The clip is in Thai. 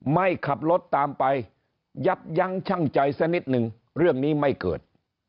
ไม่ขับรถตามไปยับยั้งชั่งใจสักนิดนึงเรื่องนี้ไม่เกิด